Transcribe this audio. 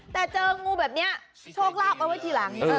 แต่เจองูอย่างเนี้ยโชคลามาว่าทีหลัง